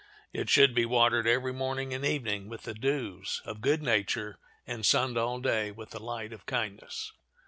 It should be watered every morning and evening with the dews of good nature, and sunned all day with the light of kindness.